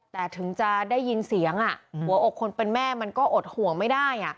แต่ถึงจะได้ยินเสียงหัวอกคนเป็นแม่มันก็อดห่วงไม่ได้